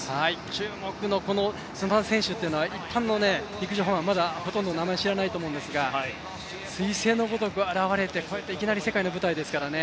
注目の砂田選手というのは一般の陸上ファンはまだほとんど名前を知らないと思いますがすい星のごとく現れて、いきなり世界の舞台ですからね。